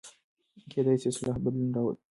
کېدای سي اصلاح بدلون راولي.